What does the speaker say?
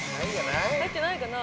入ってないかな？